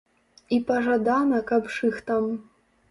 І пажадана, каб шыхтам.